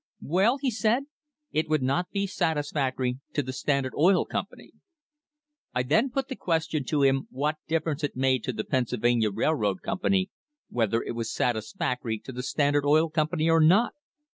Well, he said, it would not be satisfactory to the Standard Oil Company. I then put the question to him what difference it made to the Penn sylvania Railroad Company whether it was satisfactory to the Standard Oil Company or not.